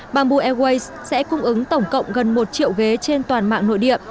bamboo airways sẽ cung ứng tổng cộng gần một triệu ghế trên toàn mạng nội địa